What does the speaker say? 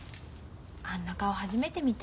あんな顔初めて見たよ。